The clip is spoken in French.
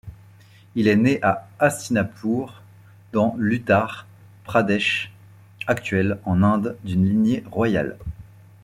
Il est né à Hastinapur dans l'Uttar Pradesh actuel en Inde d'une lignée royale.